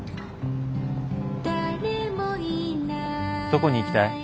どこに行きたい？